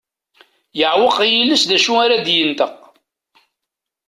Yeɛweq yiles d acu ara d-yenṭeq.